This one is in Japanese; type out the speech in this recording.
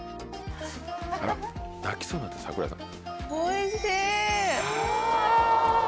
あら泣きそうになってる桜井さん。